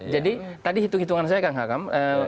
jadi tadi hitung hitungan saya kak hakam